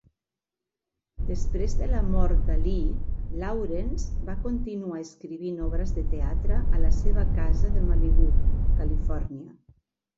Després de la mort de Lee, Lawrence va continuar escrivint obres de teatre a la seva casa de Malibú, Califòrnia.